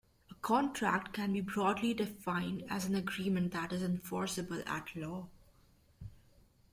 A contract can be broadly defined as an agreement that is enforceable at law.